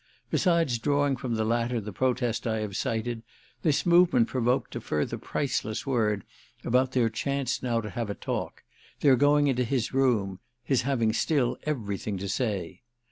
Besides drawing from the latter the protest I have cited this movement provoked a further priceless word about their chance now to have a talk, their going into his room, his having still everything to say.